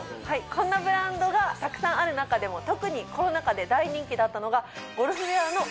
こんなブランドがたくさんある中でも特にコロナ禍で大人気だったのが。